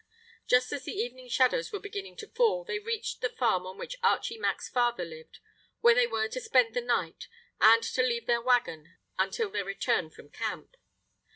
Just as the evening shadows were beginning to fall they reached the farm on which Archie Mack's father lived, where they were to spend the night, and to leave their waggon until their return from camp.